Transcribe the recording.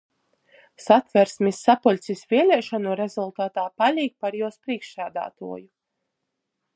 Satversmis sapuļcis vieliešonu rezultatā palīk par juos prīšksādātuoju,